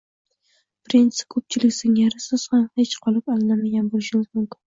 Birinchisi, koʻpchilik singari siz ham kech qolib, anglamagan boʻlishingiz mumkin.